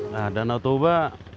nah danau toba